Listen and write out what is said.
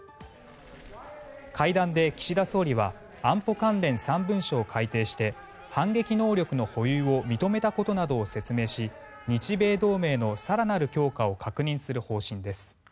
会談で岸田総理は安保関連３文書を改定して反撃能力の保有を認めたことなどを説明し日米同盟の更なる強化を確認する方針です。